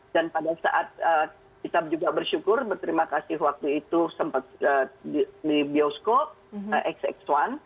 dan pada saat kita juga bersyukur berterima kasih waktu itu sempat di bioskop xx satu